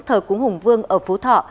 thờ cúng hùng vương ở phú thọ